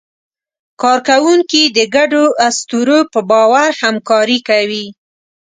کارکوونکي د ګډو اسطورو په باور همکاري کوي.